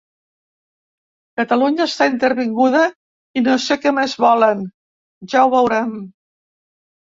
Catalunya està intervinguda i no sé què més volen, ja ho veurem.